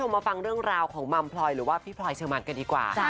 มาฟังเรื่องราวของมัมพลอยหรือว่าพี่พลอยเชิงมันกันดีกว่า